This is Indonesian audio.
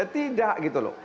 tidak gitu loh